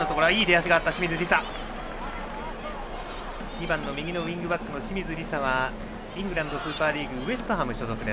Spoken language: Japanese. ２番の右のウイングバックの清水梨紗はイングランドスーパーリーグウェストハム所属。